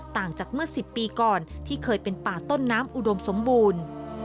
ต่างจากเมื่อ๑๐ปีก่อนที่เคยเป็นป่าต้นน้ำอุดมสมบูรณ์